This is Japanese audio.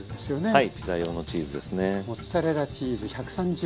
はいピザ用のチーズですね。